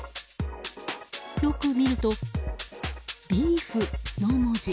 よく見ると、ビーフの文字。